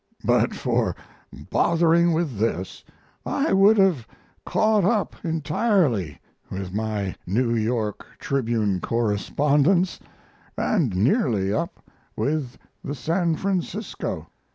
But for bothering with this I would have caught up entirely with my New York Tribune correspondence and nearly up with the San Francisco.